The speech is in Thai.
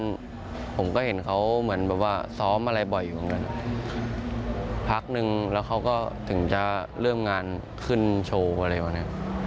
เริ่มงานขึ้นโชว์อะไรบางอย่างนี้